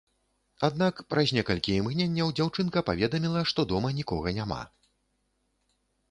Аднак праз некалькі імгненняў дзяўчынка паведаміла, што дома нікога няма.